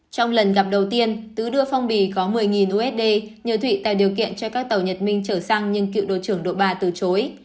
trong lần gặp đầu tiên tứ đưa phong bì có một mươi usd nhờ thụy tạo điều kiện cho các tàu nhật minh trở sang nhưng cựu đội trưởng đội ba từ chối